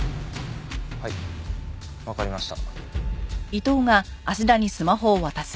はいわかりました。